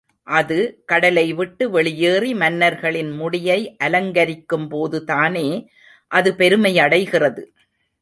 அது கடலை விட்டு வெளியேறி மன்னர்களின் முடியை அலங்கரிக்கும் போதுதானே அது பெருமையடைகிறது.